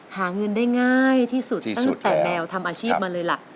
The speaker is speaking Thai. หาเงินได้ง่ายที่สุดตั้งแต่แมวทำอาชีพมาเลยล่ะ